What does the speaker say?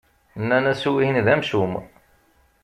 Nnan-as wihin d amcum.